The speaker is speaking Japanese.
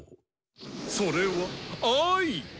それは愛！